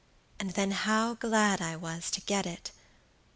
And then how glad I was to get it!